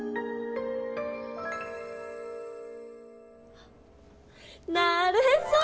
あなるへそ！